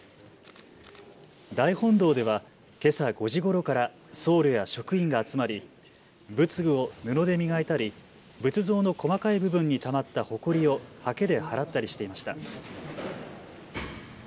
大本堂では、けさ５時ごろから僧侶や職員が集まり仏具を布で磨いたり仏像の細かい部分にたまったほこりをはけで払ったりしていました。